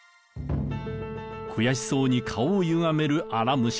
悔しそうに顔をゆがめる荒武者。